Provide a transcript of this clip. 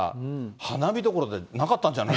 花見どころじゃなかったんじゃない？